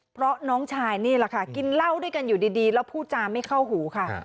เพราะน้องชายนี่แหละค่ะกินเหล้าด้วยกันอยู่ดีแล้วพูดจาไม่เข้าหูค่ะ